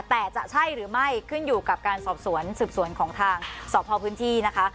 แต่จะใช่หรือไม่ขึ้นอยู่กับการสอบสวนสืบสวนของทางสอบภาวพื้นที่นะคะ